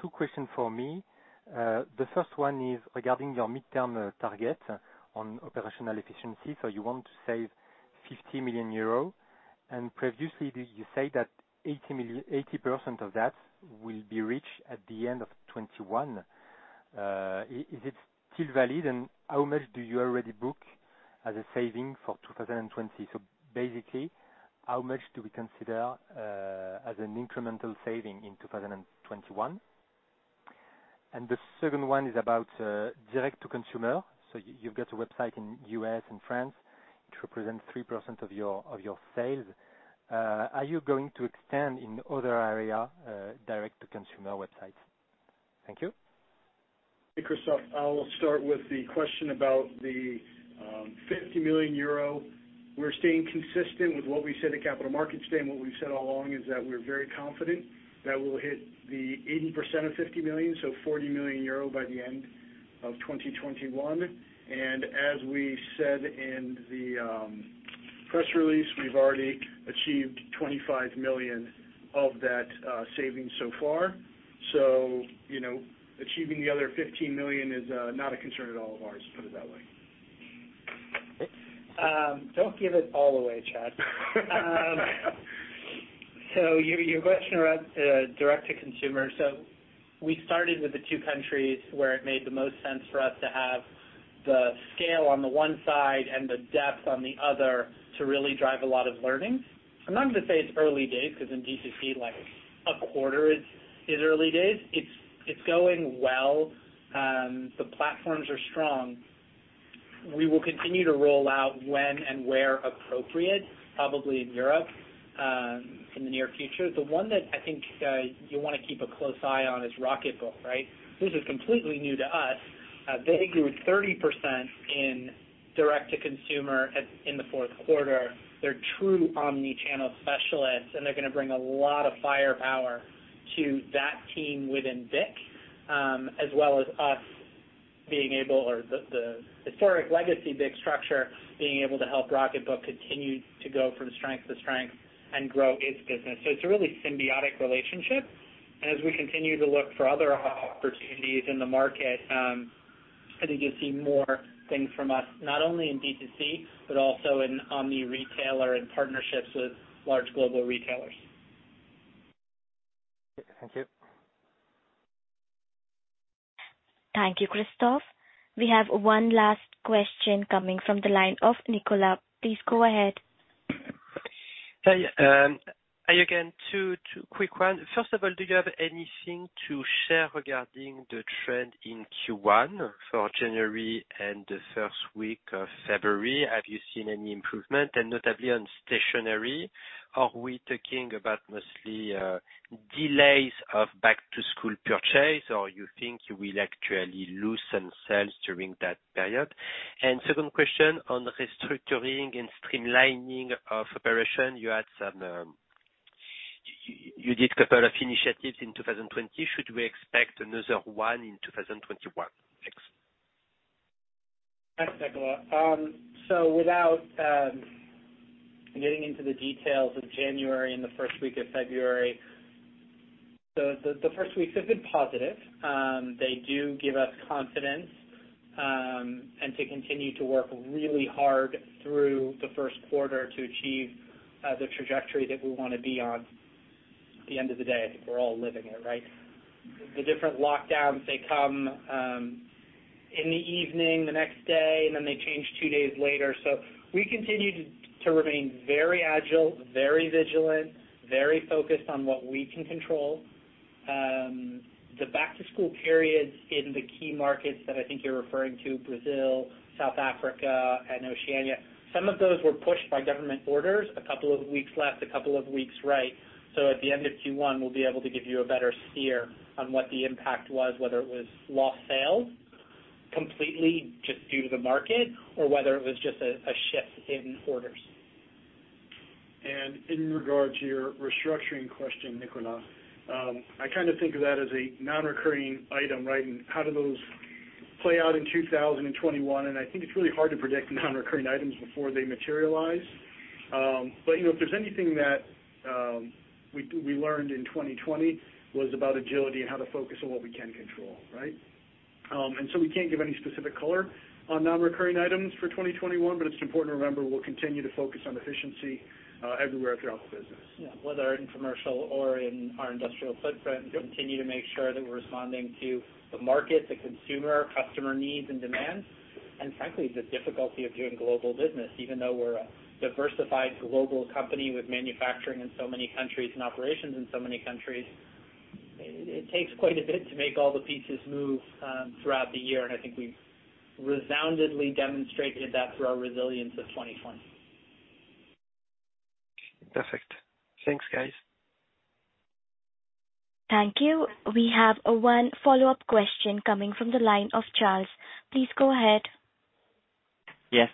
[SPEAKER 8] two questions for me. The first one is regarding your midterm target on operational efficiency. You want to save 50 million euros, and previously, you said that 80% of that will be reached at the end of 2021. Is it still valid, and how much do you already book as a saving for 2020? Basically, how much do we consider as an incremental saving in 2021? The second one is about direct to consumer. You've got a website in U.S. and France, which represent 3% of your sales. Are you going to extend in other area, direct to consumer websites? Thank you.
[SPEAKER 4] Hey, Christophe. I will start with the question about the 50 million euro. We're staying consistent with what we said at Capital Markets Day and what we've said all along is that we're very confident that we'll hit the 80% of 50 million, so 40 million euro by the end of 2021. As we said in the press release, we've already achieved 25 million of that saving so far. Achieving the other 15 million is not a concern at all of ours, put it that way.
[SPEAKER 3] Don't give it all away, Chad. Your question around direct to consumer. We started with the two countries where it made the most sense for us to have the scale on the one side and the depth on the other to really drive a lot of learning. I'm not going to say it's early days, because in D2C, a quarter is early days. It's going well. The platforms are strong. We will continue to roll out when and where appropriate, probably in Europe, in the near future. The one that I think you'll want to keep a close eye on is Rocketbook, right? This is completely new to us. They grew 30% in direct to consumer in the fourth quarter. They're true omni-channel specialists, and they're going to bring a lot of firepower to that team within BIC, as well as us being able, or the historic legacy BIC structure, being able to help Rocketbook continue to go from strength to strength and grow its business. It's a really symbiotic relationship. As we continue to look for other opportunities in the market, I think you'll see more things from us, not only in D2C, but also in omni-retailer and partnerships with large global retailers.
[SPEAKER 8] Thank you.
[SPEAKER 1] Thank you, Christophe. We have one last question coming from the line of Nicolas. Please go ahead.
[SPEAKER 5] Hi, again. Two quick one. First of all, do you have anything to share regarding the trend in Q1 for January and the first week of February? Have you seen any improvement? Notably on Stationery, are we talking about mostly delays of back-to-school purchase, or you think you will actually lose some sales during that period? Second question on restructuring and streamlining of operation. You did couple of initiatives in 2020. Should we expect another one in 2021? Thanks.
[SPEAKER 3] Thanks, Nicolas. Without getting into the details of January and the first week of February, the first weeks have been positive. They do give us confidence, and to continue to work really hard through the first quarter to achieve the trajectory that we want to be on. At the end of the day, I think we're all living it, right? The different lockdowns, they come in the evening, the next day, and then they change two days later. We continue to remain very agile, very vigilant, very focused on what we can control. The back-to-school periods in the key markets that I think you're referring to, Brazil, South Africa, and Oceania. Some of those were pushed by government orders, a couple of weeks left, a couple of weeks right. At the end of Q1, we'll be able to give you a better steer on what the impact was, whether it was lost sales completely just due to the market, or whether it was just a shift in orders.
[SPEAKER 4] In regard to your restructuring question, Nicolas, I think of that as a non-recurring item, right? How do those play out in 2021? I think it's really hard to predict non-recurring items before they materialize. If there's anything that we learned in 2020, was about agility and how to focus on what we can control, right? So we can't give any specific color on non-recurring items for 2021, but it's important to remember we'll continue to focus on efficiency everywhere throughout the business.
[SPEAKER 3] Yeah. Whether in commercial or in our industrial footprint
[SPEAKER 4] Yep
[SPEAKER 3] continue to make sure that we're responding to the market, the consumer, customer needs and demands, and frankly, the difficulty of doing global business, even though we're a diversified global company with manufacturing in so many countries and operations in so many countries, it takes quite a bit to make all the pieces move throughout the year, and I think we've resoundingly demonstrated that through our resilience of 2020.
[SPEAKER 5] Perfect. Thanks, guys.
[SPEAKER 1] Thank you. We have one follow-up question coming from the line of Charles. Please go ahead.
[SPEAKER 6] Yes.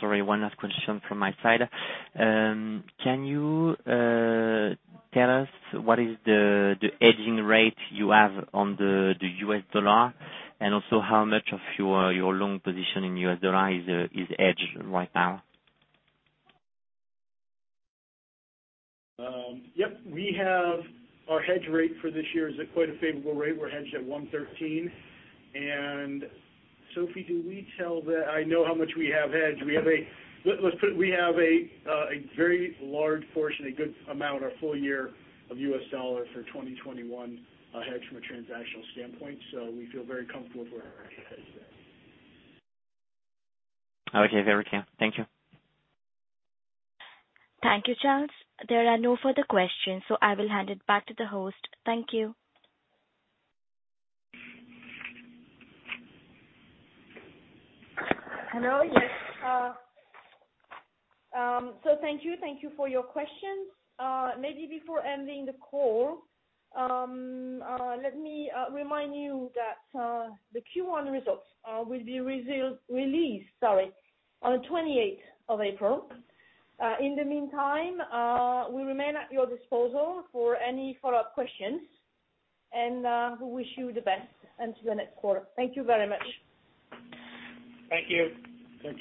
[SPEAKER 6] Sorry, one last question from my side. Can you tell us what is the hedging rate you have on the US dollar, and also how much of your long position in US dollar is hedged right now?
[SPEAKER 4] Yep. Our hedge rate for this year is at quite a favorable rate. We're hedged at 113. Sophie, I know how much we have hedged. We have a very large portion, a good amount, our full year of US dollar for 2021 hedged from a transactional standpoint, so we feel very comfortable where we're hedged at.
[SPEAKER 6] Okay. Very clear. Thank you.
[SPEAKER 1] Thank you, Charles. There are no further questions, so I will hand it back to the host. Thank you.
[SPEAKER 2] Hello. Yes. Thank you. Thank you for your questions. Maybe before ending the call, let me remind you that the Q1 results will be released on the 28th of April. In the meantime, we remain at your disposal for any follow-up questions, and we wish you the best until the next quarter. Thank you very much.
[SPEAKER 3] Thank you.
[SPEAKER 4] Thank you.